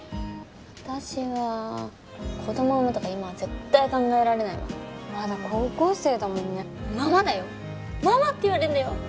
私は子供産むとか今は絶対考えられないわまだ高校生だもんねママだよママって言われんだよ